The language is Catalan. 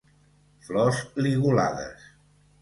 Flors ligulades.